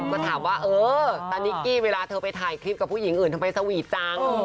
ก็ถามว่าเออตานิกกี้เวลาเธอไปถ่ายคลิปกับผู้หญิงอื่นทำไมสวีทจัง